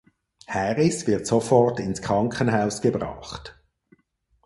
Harris wird sofort ins Krankenhaus gebracht.